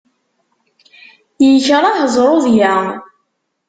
Yekreh zzruḍya.